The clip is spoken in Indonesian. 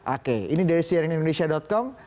oke ini dari cnnindonesia com